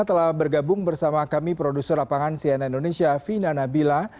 telah bergabung bersama kami produser lapangan cnn indonesia vina nabila